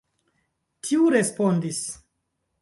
Tiu respondis.